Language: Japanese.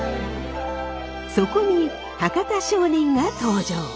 そこに博多商人が登場。